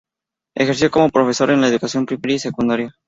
Ejerció como profesor en la educación primaria y secundaria.